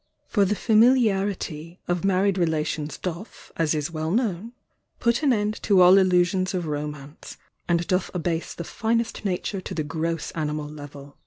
For the la mmarity of married relations doth, as is well known put an end to all illusions of romance,, and doth abase the finest nature to the gross animal level.